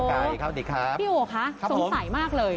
สวัสดีครับพี่โอคะสงสัยมากเลย